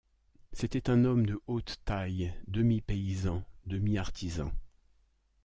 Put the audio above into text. C’était un homme de haute taille, demi-paysan, demi artisan.